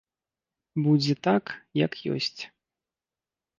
Будзе так, як ёсць.